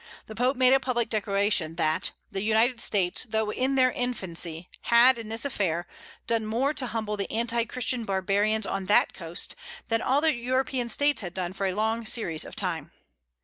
The Pope made a public declaration, that, "the United States, though in their infancy, had, in this affair, done more to humble the anti christian barbarians on that coast, than all the European States had done for a long series of time."